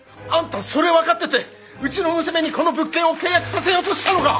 あんたそれ分かっててうちの娘にこの物件を契約させようとしたのか！